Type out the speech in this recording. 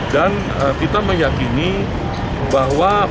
dan kita meyakini bahwa